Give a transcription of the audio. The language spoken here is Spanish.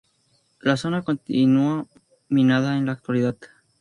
La zona continúa minada en la actualidad.